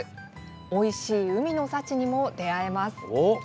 おいしい海の幸にも出会えます。